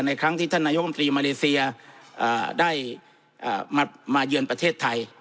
ครั้งที่ท่านนายกรรมตรีมาเลเซียได้มาเยือนประเทศไทย